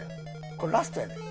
これラストやで。